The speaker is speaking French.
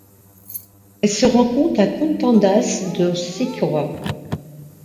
Elle se rencontre à Contendas do Sincorá.